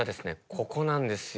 ここなんですよ。